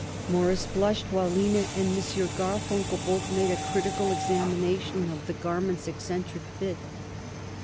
] Morris blushed, while Lina and M. Garfunkel both made a critical examination of the garment's eccentric fit.